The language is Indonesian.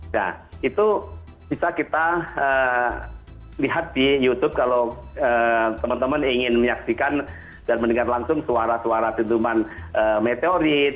nah itu bisa kita lihat di youtube kalau teman teman ingin menyaksikan dan mendengar langsung suara suara dentuman meteorit